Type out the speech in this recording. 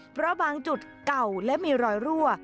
เพราะบางจุดเก่าและมีรอยรั่ว